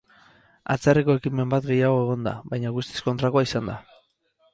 Atzerriko ekimen bat gehiago egon da, baina guztiz kontrakoa izan da.